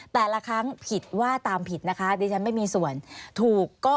แต่ละครั้งผิดว่าตามผิดนะคะ